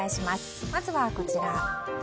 まずは、こちら。